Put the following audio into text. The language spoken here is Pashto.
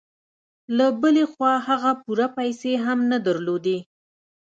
له بلې خوا هغه پوره پيسې هم نه درلودې.